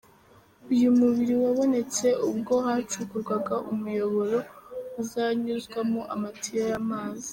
Uyu mubiri wabonetse ubwo hacukurwaga umuyoboro uzanyuzwamo amatiyo y’amazi.